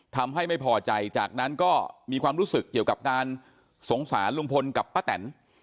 ทำให้ไม่พอใจจากนั้นก็มีความรู้สึกเกี่ยวกับการสงสารลุงพลกับป้าแตน